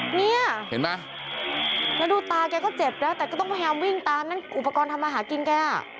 เนี่ยเห็นไหมแล้วดูตาแกก็เจ็บแล้วแต่ก็ต้องพยายามวิ่งตามนั่นอุปกรณ์ทำมาหากินแกอ่ะ